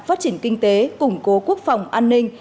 phát triển kinh tế củng cố quốc phòng an ninh